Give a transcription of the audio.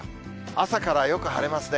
朝からよく晴れますね。